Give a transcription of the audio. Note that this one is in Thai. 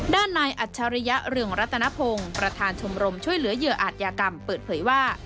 ด้านนายอัจฉริยะเรืองรัตนพงศ์ประธานชมรมช่วยเหลือเหยื่ออาจยากรรมเปิดเผยว่า